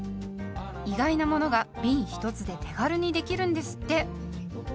意外なものがびん１つで手軽にできるんですって。